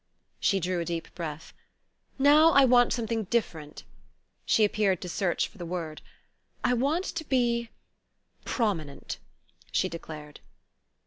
She drew a deep breath. "Now I want something different." She appeared to search for the word. "I want to be prominent," she declared.